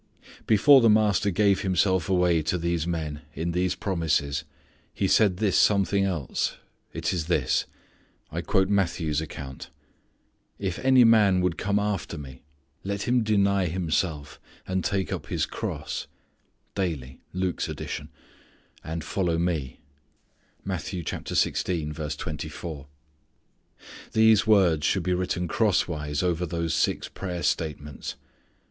Before the Master gave Himself away to these men in these promises He said this something else. It is this. I quote Matthew's account: "If any man would come after Me let him deny himself and take up his cross (daily, Luke's addition) and follow Me." These words should be written crosswise over those six prayer statements.